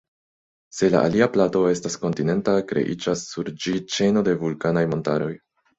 Se la alia plato estas kontinenta, kreiĝas sur ĝi ĉeno de vulkanaj montaroj.